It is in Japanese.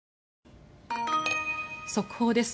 速報です。